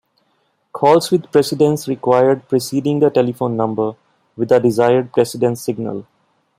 Calls with precedence required preceding the telephone number with the desired precedence signal.